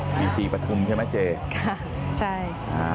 มีทีประทุมใช่ไหมเจ๊ค่ะใช่